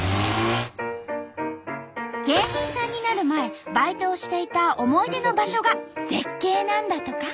芸人さんになる前バイトをしていた思い出の場所が絶景なんだとか。